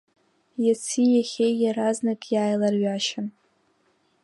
Иаци иахьеи иаразнак иааиларҩашьан…